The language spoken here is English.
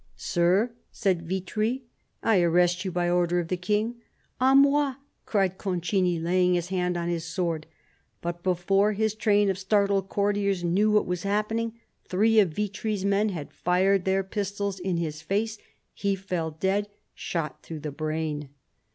" Sir," said Vitry, " I arrest you, by order of the King." "A moi !" cried Concini, laying his hand on his sword; but before his train of startled courtiers knew what was happening, three of Vitry's men had fired their pistols in his face ; he fell dead, shot through the brain.